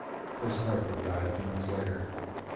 His wife would die a few months later.